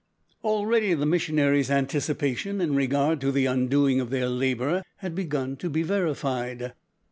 Already the missionary's anticipation in regard to the undoing of their labour had begun to be verified.